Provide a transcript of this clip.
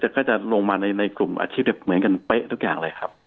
แต่ก็จะลงมาในกลุ่มอาชีพเหมือนกันเป๊ะทุกอย่างเลยครับ